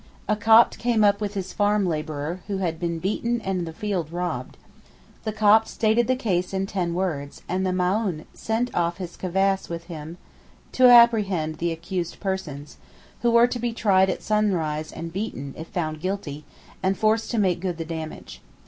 A Copt came up with his farm labourer, who had been beaten and the field robbed. The Copt stated the case in ten words, and the Maōhn sent off his cavass with him to apprehend the accused persons, who were to be tried at sunrise and beaten, if found guilty, and forced to make good the damage.